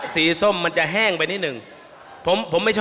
เพราะว่ารสชาติเข้มข้นกว่า